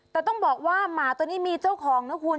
แต่ต้องบอกว่าหมาตัวนี้มีเจ้าของนะคุณ